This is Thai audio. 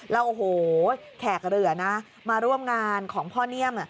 แล้วโอ้โหแขกเหลือนะมาร่วมงานของพ่อเนียม